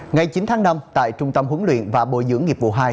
ngày chín tháng năm tại trung tâm huấn luyện và bồi dưỡng nghiệp vụ hai